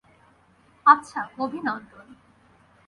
আচ্ছা, অভিনন্দন।